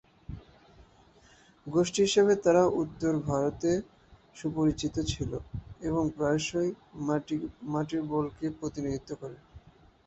গোষ্ঠী হিসাবে, তারা উত্তর ভারতে সুপরিচিত ছিল এবং প্রায়শই মাটির বলকে প্রতিনিধিত্ব করে।